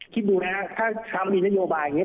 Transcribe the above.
คิดดูนะฮะถ้าทรัมป์มีนโยบายอย่างนี้